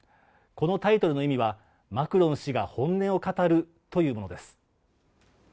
このタイトルの意味はマクロン氏が本音を語るというものです